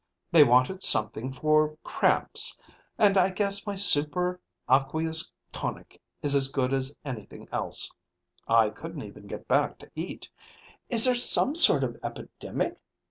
They wanted something for cramps, and I guess my Super Aqueous Tonic is as good as anything else. I couldn't even get back to eat. Is there some sort of epidemic?